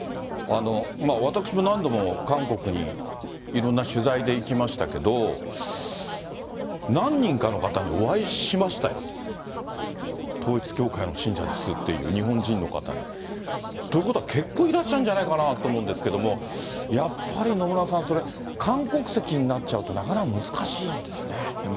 私も何度も韓国にいろんな取材で行きましたけど、何人かの方にお会いしましたよ、統一教会の信者ですっていう日本人の方に。ということは結構いらっしゃるんじゃないかなと思うんですけれども、やっぱり野村さん、それ、韓国籍になっちゃうと、なかなか難難しいですね。